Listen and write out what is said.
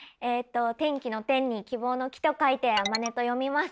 天気の「天」に希望の「希」と書いてあまねと読みます。